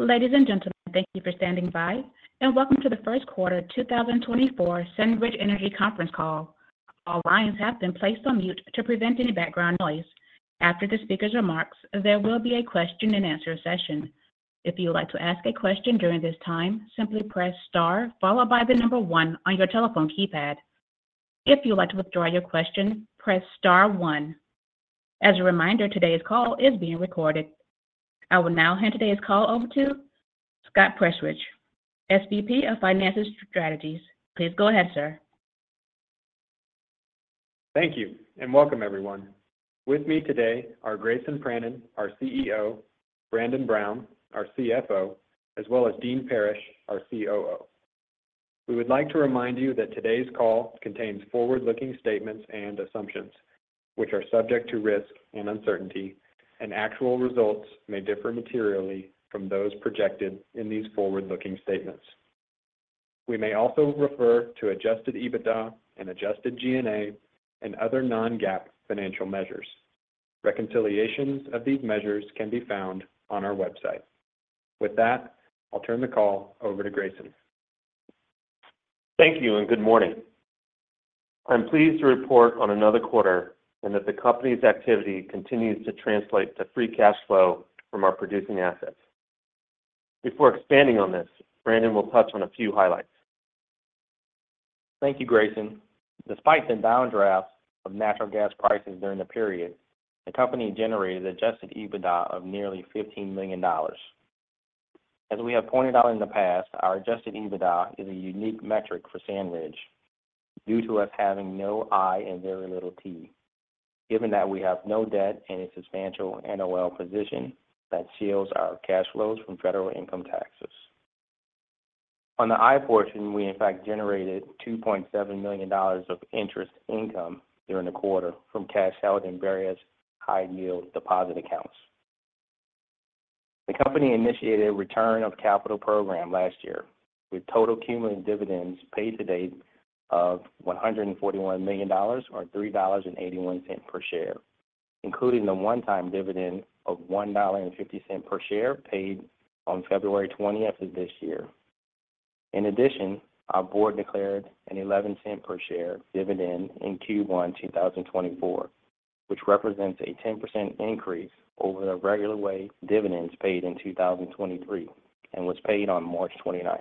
Ladies and gentlemen, thank you for standing by, and welcome to the first quarter 2024 SandRidge Energy conference call. All lines have been placed on mute to prevent any background noise. After the speaker's remarks, there will be a question-and-answer session. If you would like to ask a question during this time, simply press * followed by the number 1 on your telephone keypad. If you would like to withdraw your question, press * 1. As a reminder, today's call is being recorded. I will now hand today's call over to Scott Prestridge, SVP of Finance and Strategy. Please go ahead, sir. Thank you, and welcome everyone. With me today are Grayson Pranin, our CEO, Brandon Brown, our CFO, as well as Dean Parrish, our COO. We would like to remind you that today's call contains forward-looking statements and assumptions, which are subject to risk and uncertainty, and actual results may differ materially from those projected in these forward-looking statements. We may also refer to adjusted EBITDA and adjusted G&A and other non-GAAP financial measures. Reconciliations of these measures can be found on our website. With that, I'll turn the call over to Grayson. Thank you, and good morning. I'm pleased to report on another quarter and that the company's activity continues to translate to free cash flow from our producing assets. Before expanding on this, Brandon will touch on a few highlights. Thank you, Grayson. Despite the downdrafts of natural gas prices during the period, the company generated Adjusted EBITDA of nearly $15 million. As we have pointed out in the past, our Adjusted EBITDA is a unique metric for SandRidge due to us having no I and very little T, given that we have no debt and a substantial NOL position that shields our cash flows from federal income taxes. On the I portion, we in fact generated $2.7 million of interest income during the quarter from cash held in various high-yield deposit accounts. The company initiated a return of capital program last year, with total cumulative dividends paid to date of $141 million or $3.81 per share, including the one-time dividend of $1.50 per share paid on February 20th of this year. In addition, our board declared an $0.11 per share dividend in Q1 2024, which represents a 10% increase over the regular way dividends paid in 2023 and was paid on March 29th.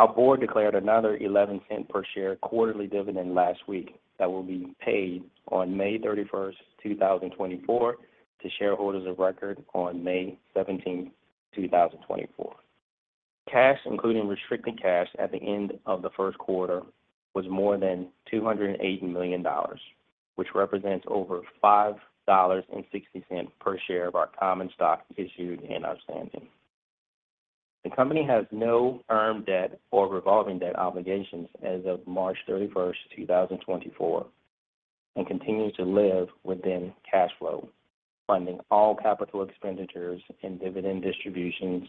Our board declared another $0.11 per share quarterly dividend last week that will be paid on May 31st, 2024, to shareholders of record on May 17th, 2024. Cash, including restricted cash at the end of the first quarter, was more than $280 million, which represents over $5.60 per share of our common stock issued and outstanding. The company has no term debt or revolving debt obligations as of March 31st, 2024, and continues to live within cash flow, funding all capital expenditures and dividend distributions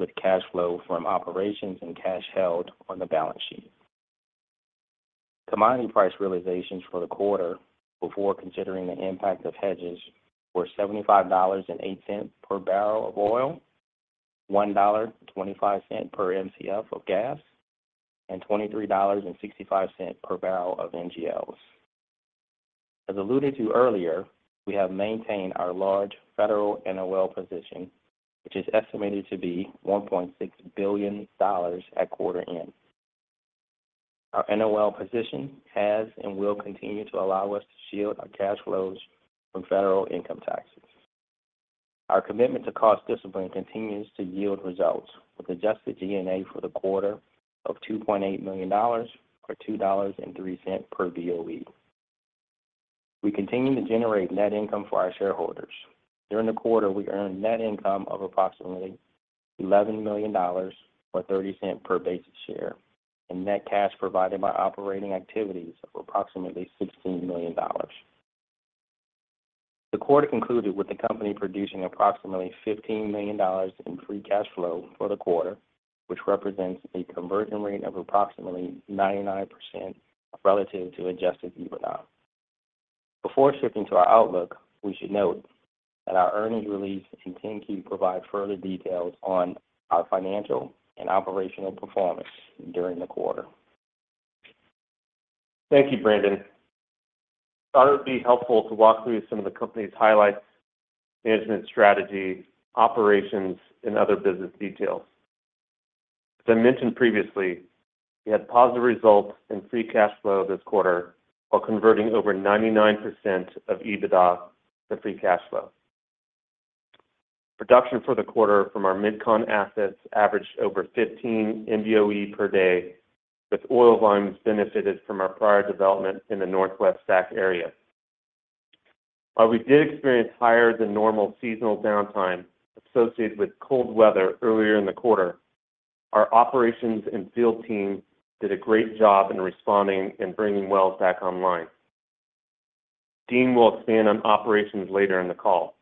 with cash flow from operations and cash held on the balance sheet. Commodity price realizations for the quarter before considering the impact of hedges were $75.08 per barrel of oil, $1.25 per MCF of gas, and $23.65 per barrel of NGLs. As alluded to earlier, we have maintained our large federal NOL position, which is estimated to be $1.6 billion at quarter end. Our NOL position has and will continue to allow us to shield our cash flows from federal income taxes. Our commitment to cost discipline continues to yield results, with adjusted G&A for the quarter of $2.8 million or $2.03 per BOE. We continue to generate net income for our shareholders. During the quarter, we earned net income of approximately $11 million or $0.30 per basic share, and net cash provided by operating activities of approximately $16 million. The quarter concluded with the company producing approximately $15 million in free cash flow for the quarter, which represents a conversion rate of approximately 99% relative to adjusted EBITDA. Before shifting to our outlook, we should note that our earnings release in 10-Q provides further details on our financial and operational performance during the quarter. Thank you, Brandon. It would be helpful to walk through some of the company's highlights, management strategy, operations, and other business details. As I mentioned previously, we had positive results in free cash flow this quarter while converting over 99% of EBITDA to free cash flow. Production for the quarter from our Mid-Con assets averaged over 15 MBOE per day, with oil volumes benefited from our prior development in the Northwest STACK area. While we did experience higher-than-normal seasonal downtime associated with cold weather earlier in the quarter, our operations and field team did a great job in responding and bringing wells back online. Dean will expand on operations later in the call.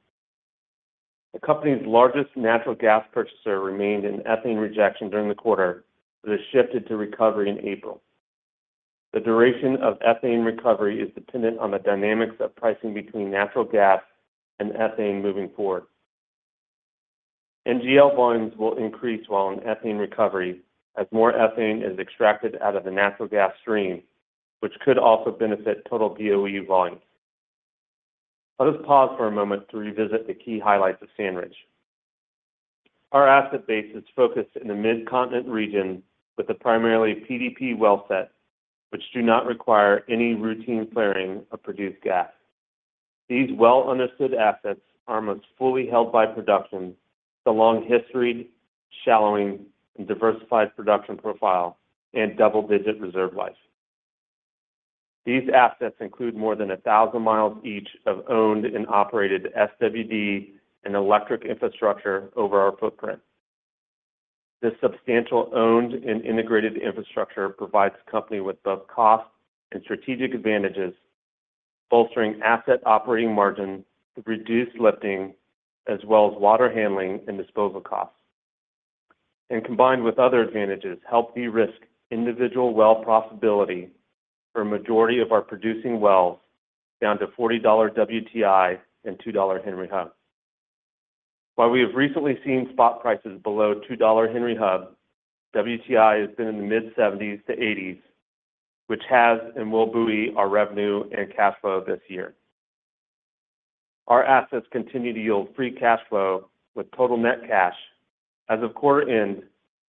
The company's largest natural gas purchaser remained in ethane rejection during the quarter, but has shifted to recovery in April. The duration of ethane recovery is dependent on the dynamics of pricing between natural gas and ethane moving forward. NGL volumes will increase while in ethane recovery as more ethane is extracted out of the natural gas stream, which could also benefit total BOE volumes. Let us pause for a moment to revisit the key highlights of SandRidge. Our asset base is focused in the Mid-Continent region with a primarily PDP well set, which do not require any routine flaring of produced gas. These well-understood assets are most fully held by production with a long-historied shallowing and diversified production profile and double-digit reserve life. These assets include more than 1,000 miles each of owned and operated SWD and electric infrastructure over our footprint. This substantial owned and integrated infrastructure provides the company with both cost and strategic advantages, bolstering asset operating margin with reduced lifting as well as water handling and disposal costs, and combined with other advantages help de-risk individual well profitability for a majority of our producing wells down to $40 WTI and $2 Henry Hub. While we have recently seen spot prices below $2 Henry Hub, WTI has been in the mid-$70s-$80s, which has and will buoy our revenue and cash flow this year. Our assets continue to yield free cash flow with total net cash as of quarter end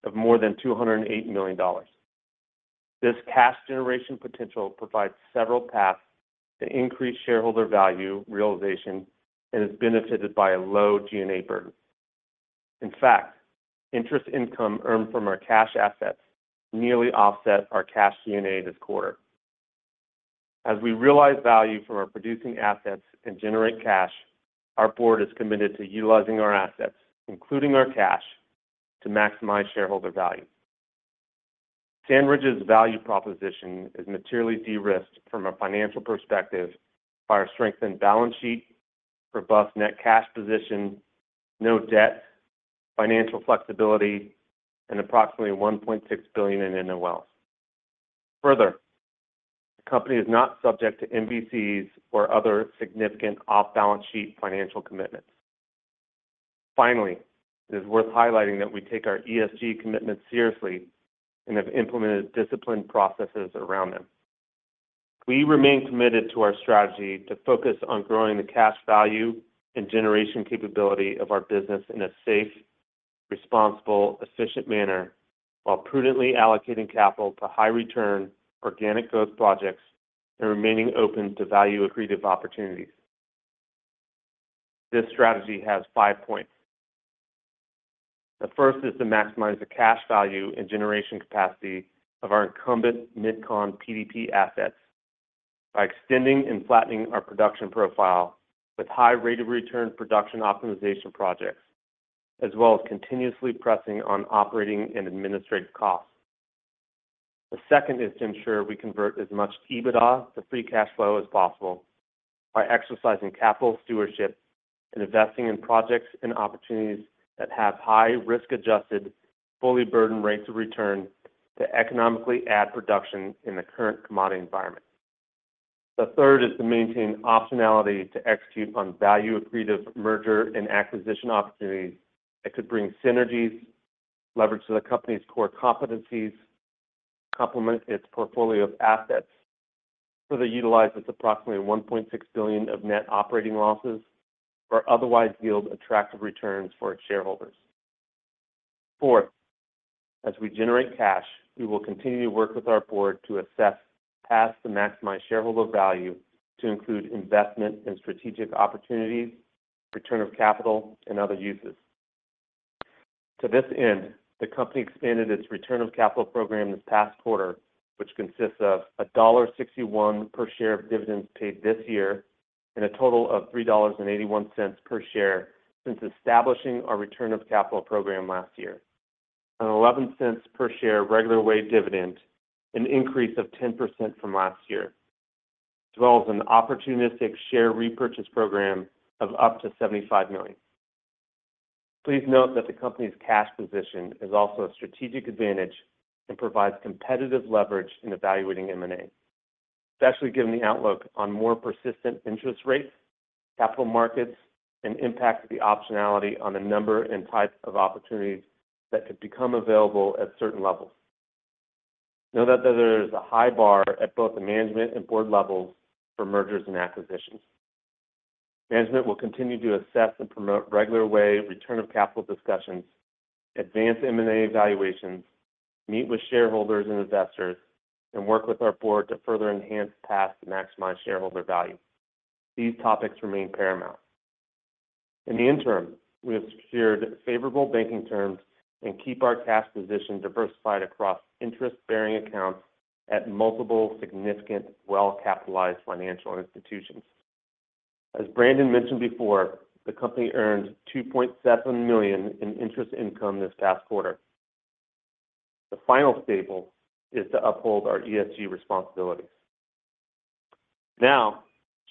of more than $208 million. This cash generation potential provides several paths to increased shareholder value realization and is benefited by a low G&A burden. In fact, interest income earned from our cash assets nearly offsets our cash G&A this quarter. As we realize value from our producing assets and generate cash, our board is committed to utilizing our assets, including our cash, to maximize shareholder value. SandRidge's value proposition is materially de-risked from a financial perspective by our strengthened balance sheet, robust net cash position, no debt, financial flexibility, and approximately $1.6 billion in NOLs. Further, the company is not subject to MVCs or other significant off-balance sheet financial commitments. Finally, it is worth highlighting that we take our ESG commitments seriously and have implemented disciplined processes around them. We remain committed to our strategy to focus on growing the cash value and generation capability of our business in a safe, responsible, efficient manner while prudently allocating capital to high-return organic growth projects and remaining open to value-accretive opportunities. This strategy has five points. The first is to maximize the cash value and generation capacity of our incumbent Mid-Con PDP assets by extending and flattening our production profile with high-rated return production optimization projects, as well as continuously pressing on operating and administrative costs. The second is to ensure we convert as much EBITDA to free cash flow as possible by exercising capital stewardship and investing in projects and opportunities that have high-risk-adjusted, fully burdened rates of return to economically add production in the current commodity environment. The third is to maintain optionality to execute on value-accretive merger and acquisition opportunities that could bring synergies, leverage the company's core competencies, complement its portfolio of assets, further utilize its approximately $1.6 billion of net operating losses, or otherwise yield attractive returns for its shareholders. Fourth, as we generate cash, we will continue to work with our board to assess paths to maximize shareholder value to include investment and strategic opportunities, return of capital, and other uses. To this end, the company expanded its return of capital program this past quarter, which consists of $1.61 per share of dividends paid this year and a total of $3.81 per share since establishing our return of capital program last year, an $0.11 per share regular way dividend, an increase of 10% from last year, as well as an opportunistic share repurchase program of up to $75 million. Please note that the company's cash position is also a strategic advantage and provides competitive leverage in evaluating M&A, especially given the outlook on more persistent interest rates, capital markets, and impact of the optionality on the number and type of opportunities that could become available at certain levels. Note that there is a high bar at both the management and board levels for mergers and acquisitions. Management will continue to assess and promote regular way return of capital discussions, advance M&A evaluations, meet with shareholders and investors, and work with our board to further enhance paths to maximize shareholder value. These topics remain paramount. In the interim, we have secured favorable banking terms and keep our cash position diversified across interest-bearing accounts at multiple significant well-capitalized financial institutions. As Brandon mentioned before, the company earned $2.7 million in interest income this past quarter. The final staple is to uphold our ESG responsibilities. Now,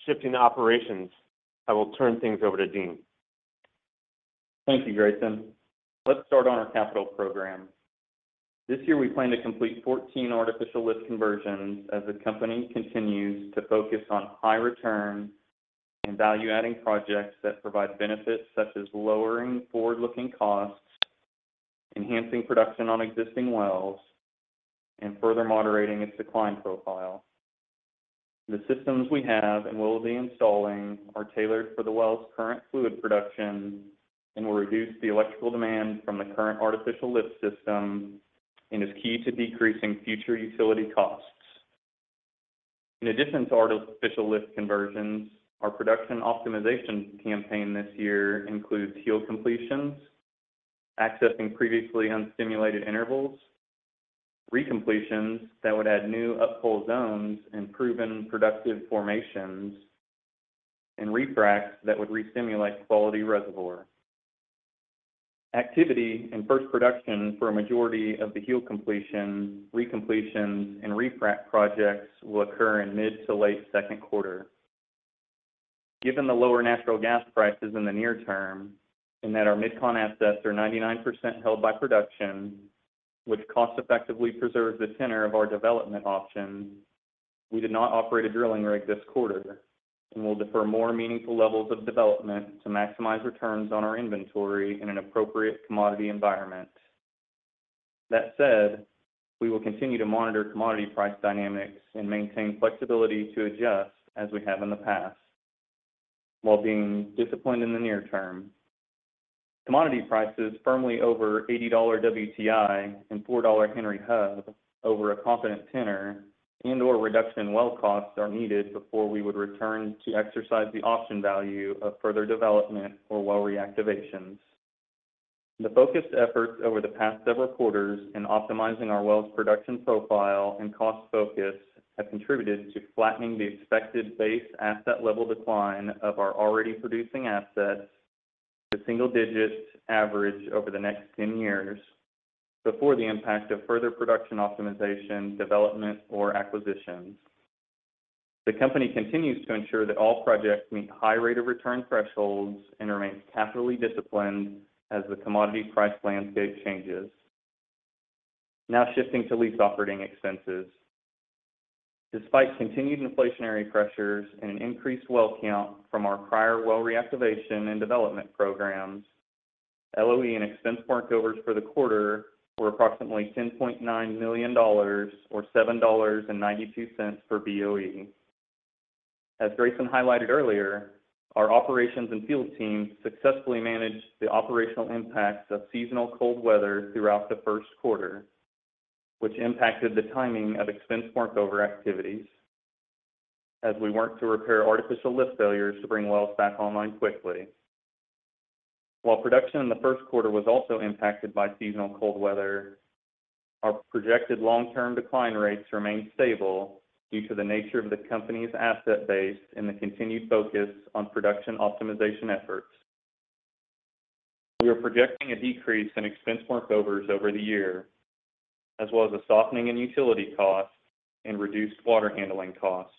shifting operations, I will turn things over to Dean. Thank you, Grayson. Let's start on our capital program. This year, we plan to complete 14 artificial lift conversions as the company continues to focus on high-return and value-adding projects that provide benefits such as lowering forward-looking costs, enhancing production on existing wells, and further moderating its decline profile. The systems we have and will be installing are tailored for the well's current fluid production and will reduce the electrical demand from the current artificial lift system and is key to decreasing future utility costs. In addition to artificial lift conversions, our production optimization campaign this year includes heel completions, accessing previously unstimulated intervals, recompletions that would add new uphole zones and proven productive formations, and refracs that would restimulate quality reservoir. Activity and first production for a majority of the heel completions, recompletions, and refrac projects will occur in mid to late second quarter. Given the lower natural gas prices in the near term and that our Mid-Con assets are 99% held by production, which cost-effectively preserves the tenor of our development options, we did not operate a drilling rig this quarter and will defer more meaningful levels of development to maximize returns on our inventory in an appropriate commodity environment. That said, we will continue to monitor commodity price dynamics and maintain flexibility to adjust as we have in the past while being disciplined in the near term. Commodity prices firmly over $80 WTI and $4 Henry Hub over a confident tenor and/or reduction in well costs are needed before we would return to exercise the option value of further development or well reactivations. The focused efforts over the past several quarters in optimizing our wells' production profile and cost focus have contributed to flattening the expected base asset level decline of our already producing assets to single-digit average over the next 10 years before the impact of further production optimization, development, or acquisitions. The company continues to ensure that all projects meet high-rated return thresholds and remains capital disciplined as the commodity price landscape changes. Now shifting to lease operating expenses. Despite continued inflationary pressures and an increased well count from our prior well reactivation and development programs, LOE and expense workovers for the quarter were approximately $10.9 million or $7.92 per BOE. As Grayson highlighted earlier, our operations and field team successfully managed the operational impacts of seasonal cold weather throughout the first quarter, which impacted the timing of expense workover activities as we were able to repair artificial lift failures to bring wells back online quickly. While production in the first quarter was also impacted by seasonal cold weather, our projected long-term decline rates remained stable due to the nature of the company's asset base and the continued focus on production optimization efforts. We are projecting a decrease in expense workovers over the year as well as a softening in utility costs and reduced water handling costs.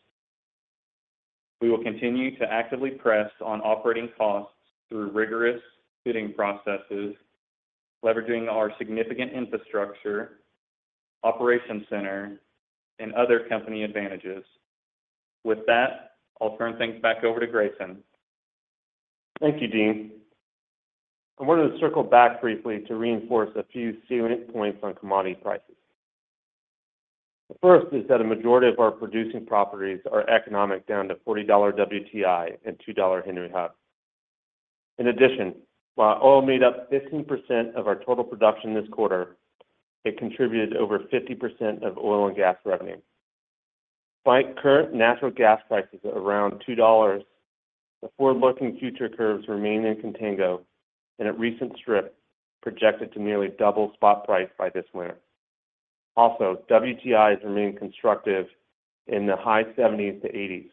We will continue to actively press on operating costs through rigorous bidding processes, leveraging our significant infrastructure, operations center, and other company advantages. With that, I'll turn things back over to Grayson. Thank you, Dean. I wanted to circle back briefly to reinforce a few points on commodity prices. The first is that a majority of our producing properties are economic down to $40 WTI and $2 Henry Hub. In addition, while oil made up 15% of our total production this quarter, it contributed over 50% of oil and gas revenue. By current natural gas prices around $2, the forward-looking future curves remain in contango and a recent strip projected to nearly double spot price by this winter. Also, WTI remain constructive in the high 70s to 80s.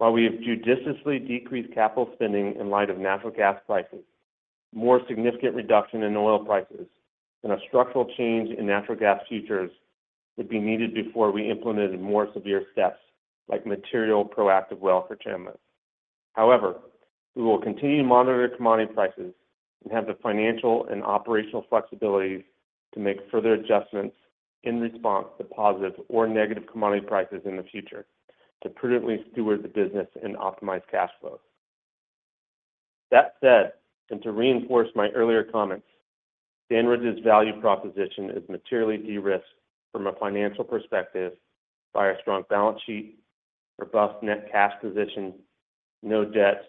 While we have judiciously decreased capital spending in light of natural gas prices, more significant reduction in oil prices and a structural change in natural gas futures would be needed before we implemented more severe steps like material proactive well curtailment. However, we will continue to monitor commodity prices and have the financial and operational flexibilities to make further adjustments in response to positive or negative commodity prices in the future to prudently steward the business and optimize cash flow. That said, and to reinforce my earlier comments, SandRidge's value proposition is materially de-risked from a financial perspective by a strong balance sheet, robust net cash position, no debt,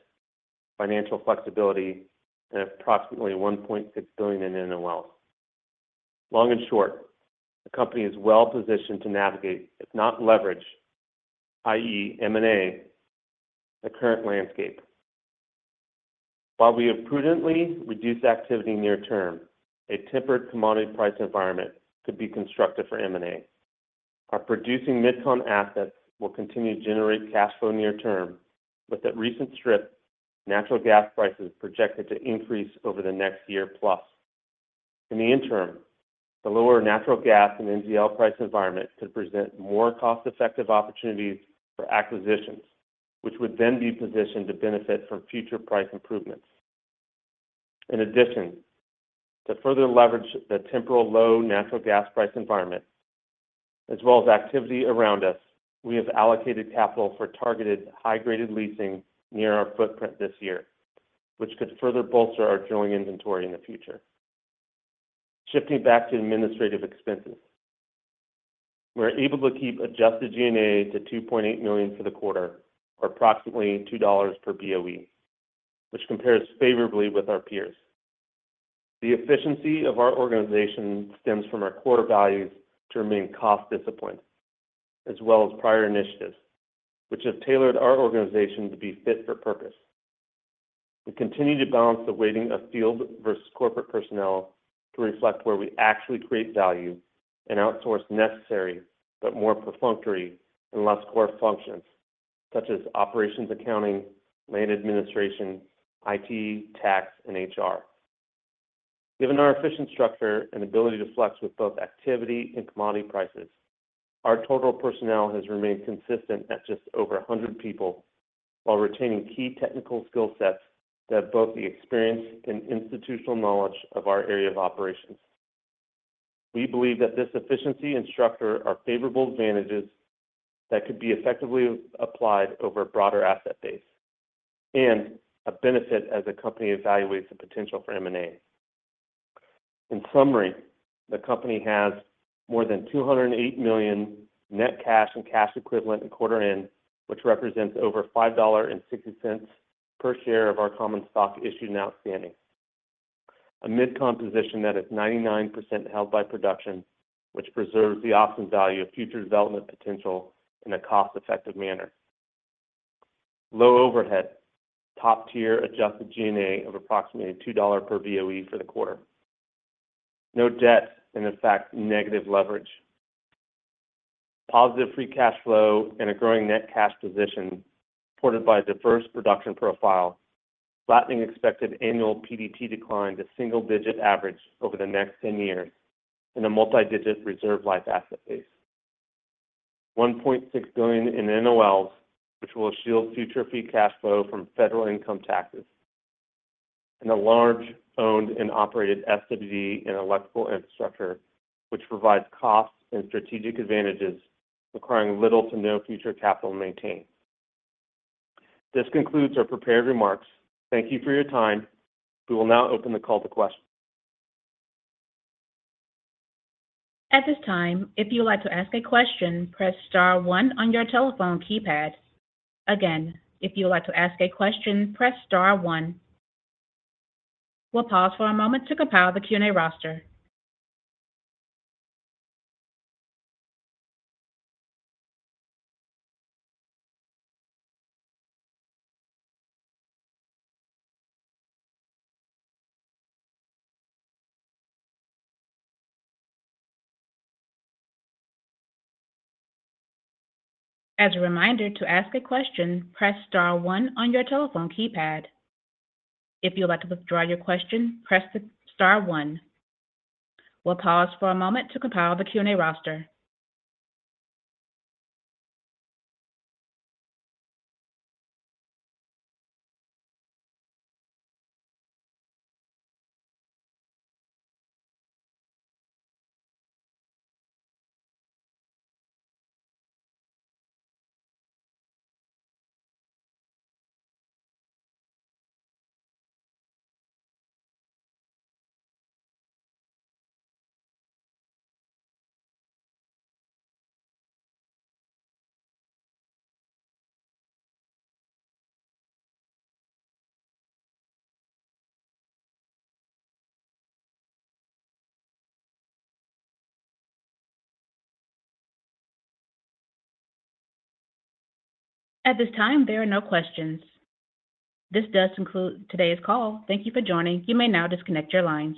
financial flexibility, and approximately $1.6 billion in NOLs. Long and short, the company is well positioned to navigate, if not leverage, i.e., M&A, the current landscape. While we have prudently reduced activity near term, a tempered commodity price environment could be constructive for M&A. Our producing Mid-Con assets will continue to generate cash flow near term. With that recent strip, natural gas prices are projected to increase over the next year plus. In the interim, the lower natural gas and NGL price environment could present more cost-effective opportunities for acquisitions, which would then be positioned to benefit from future price improvements. In addition, to further leverage the temporal low natural gas price environment as well as activity around us, we have allocated capital for targeted high-graded leasing near our footprint this year, which could further bolster our drilling inventory in the future. Shifting back to administrative expenses, we're able to keep adjusted G&A to $2.8 million for the quarter or approximately $2 per BOE, which compares favorably with our peers. The efficiency of our organization stems from our core values to remain cost disciplined as well as prior initiatives, which have tailored our organization to be fit for purpose. We continue to balance the weighting of field versus corporate personnel to reflect where we actually create value and outsource necessary but more perfunctory and less core functions such as operations accounting, land administration, IT, tax, and HR. Given our efficient structure and ability to flex with both activity and commodity prices, our total personnel has remained consistent at just over 100 people while retaining key technical skill sets that have both the experience and institutional knowledge of our area of operations. We believe that this efficiency and structure are favorable advantages that could be effectively applied over a broader asset base and a benefit as the company evaluates the potential for M&A. In summary, the company has more than $208 million net cash and cash equivalents at quarter end, which represents over $5.60 per share of our common stock issued and outstanding, a Mid-Con position that is 99% held by production, which preserves the option value of future development potential in a cost-effective manner, low overhead, top-tier adjusted G&A of approximately $2 per BOE for the quarter, no debt, and in fact, negative leverage, positive free cash flow, and a growing net cash position supported by a diverse production profile, flattening expected annual PDP decline to single-digit average over the next 10 years in a multi-digit reserve life asset base, $1.6 billion in NOLs, which will shield future free cash flow from federal income taxes, and a large owned and operated SWD and electrical infrastructure, which provides cost and strategic advantages requiring little to no future capital maintenance. This concludes our prepared remarks. Thank you for your time. We will now open the call to questions. At this time, if you would like to ask a question, press star one on your telephone keypad. Again, if you would like to ask a question, press star one. We'll pause for a moment to compile the Q&A roster. As a reminder, to ask a question, press star one on your telephone keypad. If you would like to withdraw your question, press the star one. We'll pause for a moment to compile the Q&A roster. At this time, there are no questions. This does conclude today's call. Thank you for joining. You may now disconnect your lines.